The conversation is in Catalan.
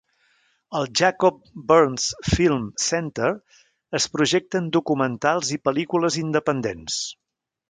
Al Jacob Burns Film Center es projecten documentals i pel·lícules independents.